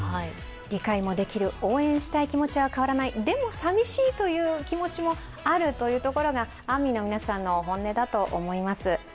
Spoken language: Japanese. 理解もできる応援したい気持ちは変わらない、でも寂しいという気持ちもあるというところがＡＲＭＹの皆さんの本音だと思います。